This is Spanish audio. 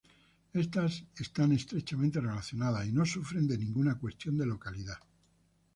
Estas están estrechamente relacionadas y no sufren de ninguna cuestión de localidad.